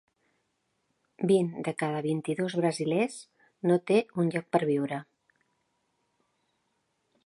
Vint de cada vint-i-dos brasilers no té un lloc per viure.